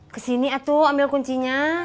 kesini atu ambil kuncinya